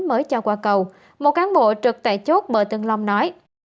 mới cho qua cầu một cán bộ trực tại chốt bờ tân long nói